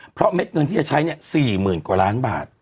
เพราะเม็ดเงินที่จะใช้๔๐๐๐กว่าล้านบาท